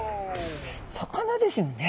魚ですよね。